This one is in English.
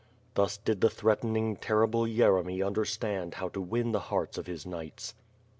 Thus did the threatening, terrible Yeremy understand how to win the hearts of his knights.